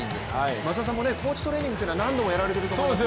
松田さんも高地トレーニングは何度もやられていると思いますが。